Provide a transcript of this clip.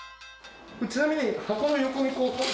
ちなみに。